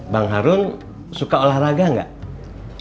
bang harun suka olahraga nggak